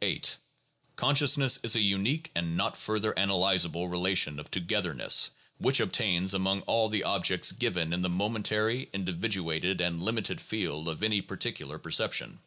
(37.) 8. Consciousness is a unique and not further analyzable relation of "togetherness" which obtains among all the objects given in the momentary, individuated, and limited field of any particular per ception.